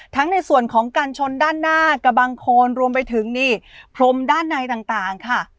ในส่วนของการชนด้านหน้ากระบังโคนรวมไปถึงนี่พรมด้านในต่างค่ะ